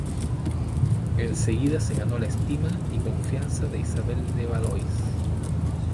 Enseguida se ganó la estima y confianza de Isabel de Valois.